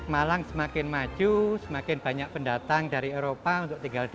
malang semakin maju semakin banyak pendatang dari eropa untuk tinggal di